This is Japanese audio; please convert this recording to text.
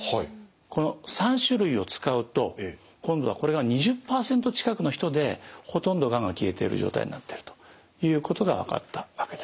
この３種類を使うと今度はこれが２０％近くの人でほとんどがんが消えている状態になっているということが分かったわけです。